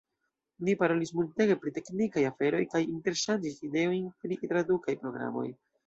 Ni parolis multege pri teknikaj aferoj kaj interŝanĝis ideojn pri tradukaj programoj.